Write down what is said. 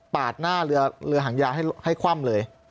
หน้าเรือหางยาให้คว่ำเลย